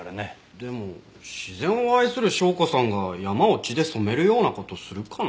でも自然を愛する紹子さんが山を血で染めるような事するかな。